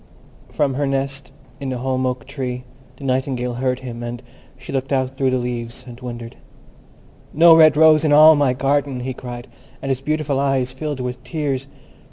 From her nest in the holm oak tree the Nightingale heard him, and she looked out through the leaves, and wondered. "No red rose in all my garden!" he cried, and his beautiful eyes filled with tears.